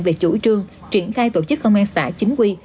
về chủ trương triển khai tổ chức công an xã chính quy